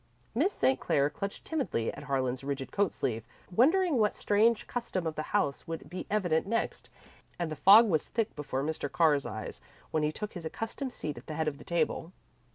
Miss St. Clair clutched timidly at Harlan's rigid coat sleeve, wondering what strange custom of the house would be evident next, and the fog was thick before Mr. Carr's eyes, when he took his accustomed seat at the head of the table.